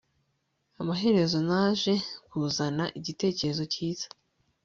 amaherezo naje kuzana igitekerezo cyiza